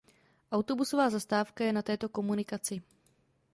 Autobusová zastávka je na této komunikaci.